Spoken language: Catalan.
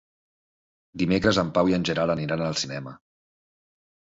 Dimecres en Pau i en Gerard aniran al cinema.